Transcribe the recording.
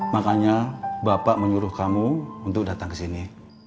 makanya bapak menyuruh kamu untuk datang ke sini